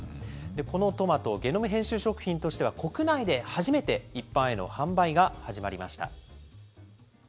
このトマト、ゲノム編集食品としては、国内で初めて、一般への販売が始まりました。